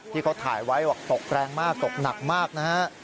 ที่เขาถ่ายไว้บอกตกแรงมากตกหนักมากนะฮะ